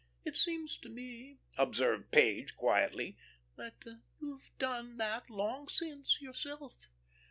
"It seems to me," observed Page, quietly, "that you've done that long since, yourself."